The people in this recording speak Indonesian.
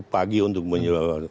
pagi untuk menyebabkan